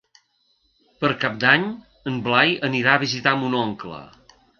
Per Cap d'Any en Blai anirà a visitar mon oncle.